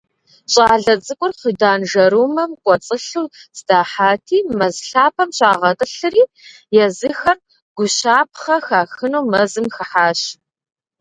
Щӏалэ цӏыкӏур хъыданжэрумэм кӏуэцӏылъу здахьати, мэз лъапэм щагъэтӏылъри, езыхэр гущапхъэ хахыну мэзым хыхьащ.